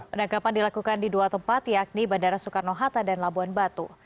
penangkapan dilakukan di dua tempat yakni bandara soekarno hatta dan labuan batu